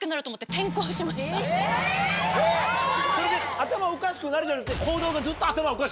頭おかしくなるじゃなくて。